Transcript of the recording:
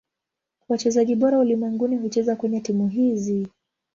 Wachezaji bora ulimwenguni hucheza kwenye timu hizi.